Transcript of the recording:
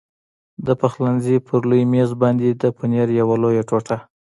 د پخلنځي پر لوی مېز باندې د پنیر یوه لویه ټوټه.